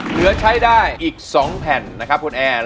เหลือใช้ได้อีก๒แผ่นนะครับคุณแอร์